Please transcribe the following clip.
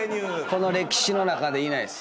この歴史の中でいないです。